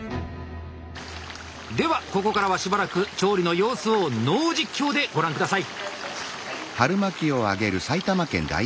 ではここからはしばらく調理の様子をノー実況でご覧下さい。